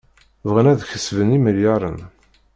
Bɣan ad kesben imelyaṛen.